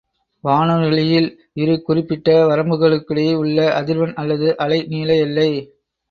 வானொலியில் இரு குறிப்பிட்ட வரம்புகளுக்கிடையே உள்ள அதிர்வெண் அல்லது அலை நீள எல்லை.